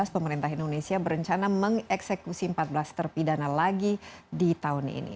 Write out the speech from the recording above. pemerintah indonesia berencana mengeksekusi empat belas terpidana lagi di tahun ini